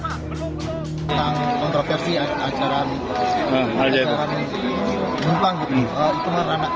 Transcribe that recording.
tentang kontroversi acara ini tentang hitungan anak